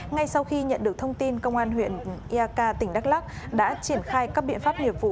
ngay sau khi nhận được thông tin công an huyện yaka tp đắk lắc đã triển khai các biện pháp nhiệm vụ